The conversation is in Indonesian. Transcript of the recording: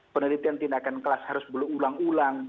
penelitian tindakan kelas harus berulang ulang